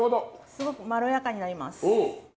すごくまろやかになります。